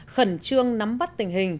khẩn trương nắm bắt tình hình